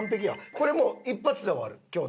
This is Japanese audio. これもう一発で終わる今日のロケ。